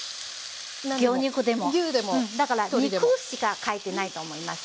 だから「肉」しか書いてないと思いますので。